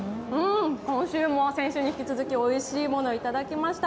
今週も先週に引き続き、おいしいものいただきました。